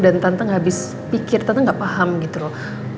dan tante habis pikir tante gak paham gitu loh